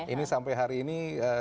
ini sampai hari ini